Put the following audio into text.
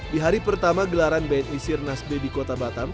di hari pertama gelaran bni sirnas b di kota batam